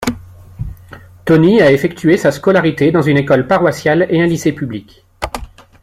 Tony a effectué sa scolarité dans une école paroissiale et un lycée public.